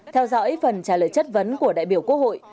theo dõi phần trả lời chất vấn của đại biểu quốc hội